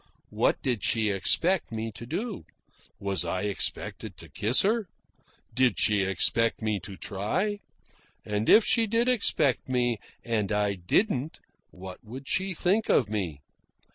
What did she expect me to do? Was I expected to kiss her? Did she expect me to try? And if she did expect me, and I didn't what would she think of me?